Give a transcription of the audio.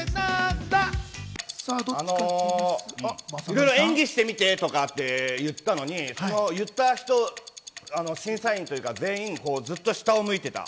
いろいろ演技してみてとかって言ったのに、言った人、審査員というか全員ずっと下を向いていた。